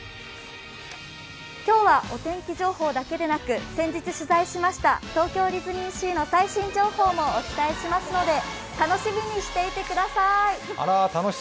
今日はお天気情報だけでなく先日、取材しました東京ディズニーシーの最新情報もお伝えしますので、楽しみにしていてください。